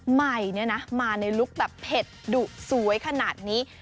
ใหม่เนี่ยนะมาในลุคแบบเผ็ดดุสวยขนาดนี้